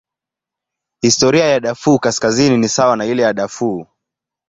Historia ya Darfur Kaskazini ni sawa na ile ya Darfur.